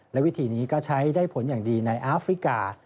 และวิธีนี้ก็ใช้ได้ผลอย่างดีในอาฟริกา